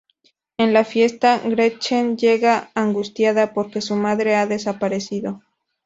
En la fiesta, Gretchen llega angustiada porque su madre ha desaparecido.